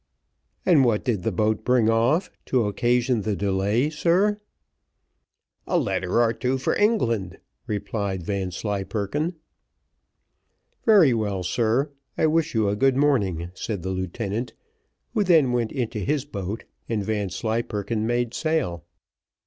"And what did the boat bring off, to occasion the delay, sir?" "A letter or two for England," replied Vanslyperken. "Very well, sir, I wish you a good morning," said the lieutenant, who then went into his boat, and Vanslyperken made sail.